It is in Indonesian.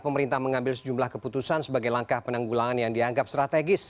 pemerintah mengambil sejumlah keputusan sebagai langkah penanggulangan yang dianggap strategis